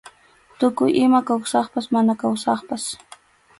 Tukuy ima kawsaqpas mana kawsaqpas.